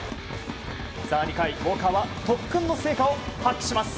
２回、ウォーカーは特訓の成果を発揮します。